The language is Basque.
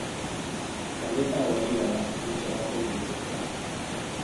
Maleta horia da, kutxa baten antzekoa.